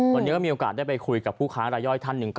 วันนี้ก็มีโอกาสได้ไปคุยกับผู้ค้ารายย่อยท่านหนึ่ง